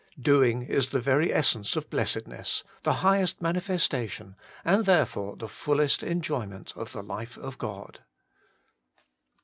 Doing is the very essence of blessedness, the highest manifestation, and therefore the fullest enjoyment of the life of God.